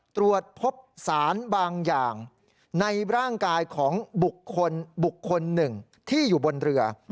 ตรวจพบสารบางอย่างในร่างกายของบุคคล๑ที่อยู่บนเรือ